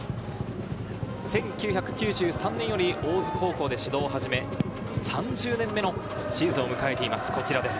１９９３年より大津高校で指導を始め、３０年目のシーズンを迎えています。